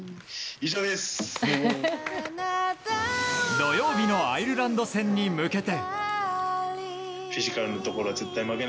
土曜日のアイルランド戦に向けて。